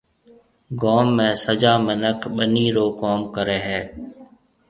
گوم ۾ سجا مِنک ٻنِي رو ڪوم ڪريَ هيَ۔